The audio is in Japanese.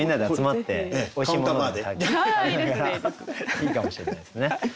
いいかもしれないですね。